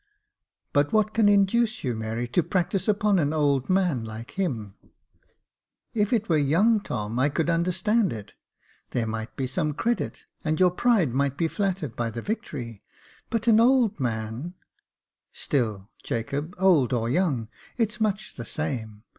" But what can induce you, Mary, to practise upon an old man like him ? If it were young Tom, I could under stand it. There might be some credit, and your pride might be flattered by the victory j but an old man " "Still, Jacob, old or young, it's much the same.